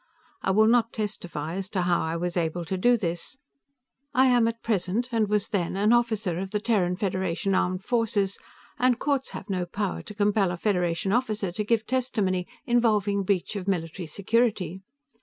I will not testify as to how I was able to do this. I am at present and was then an officer of the Terran Federation Armed Forces; the courts have no power to compel a Federation officer to give testimony involving breach of military security.